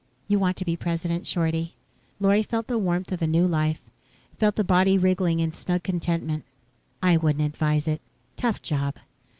"You want to be president, Shorty?" Lorry felt the warmth of a new life, felt the little body wriggle in snug contentment. "I wouldn't advise it. Tough job."